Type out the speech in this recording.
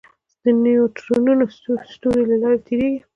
د نیوټرینو ستوري له لارې تېرېږي.